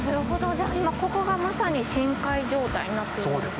じゃあ今ここがまさに深海状態になっているんですね。